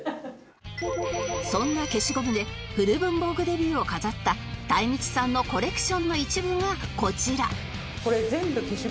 そんな消しゴムで古文房具デビューを飾ったたいみちさんのコレクションの一部がこちら